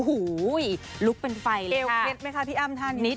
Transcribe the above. อุ้ยลูกเป็นไฟเลยค่ะ